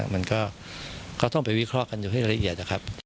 มันก็ต้องไปวิเคราะห์กันอยู่ให้ละเอียดนะครับ